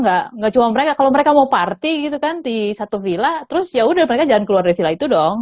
nggak cuma mereka kalau mereka mau party gitu kan di satu villa terus yaudah mereka jangan keluar dari villa itu dong